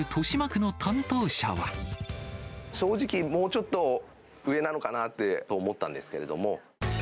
正直、もうちょっと上なのかなって思ったんですけれども。